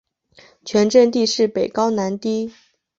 全镇地势北高南低。